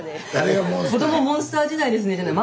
「子どもモンスター時代ですね」じゃない。